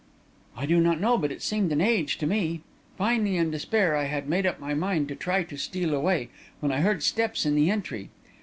"I do not know but it seemed an age to me. Finally, in despair, I had made up my mind to try to steal away, when I heard steps in the entry.